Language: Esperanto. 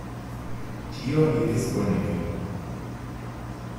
Ĉio iris bonege.